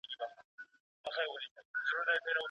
وراره يې له خپل تره څخه د ژوند مهم درس زده کړل.